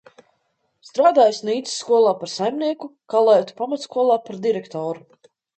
Strādājis Nīcas skolā par saimnieku, Kalētu pamatskolā par direktoru.